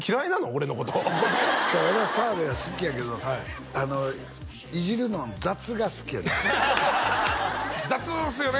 俺のこと俺は澤部は好きやけどいじるの雑が好きやねん雑っすよね